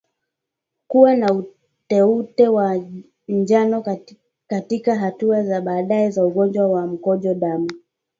Kuwa na uteute wa njano katika hatua za baadaye za ugonjwa wa mkojo damu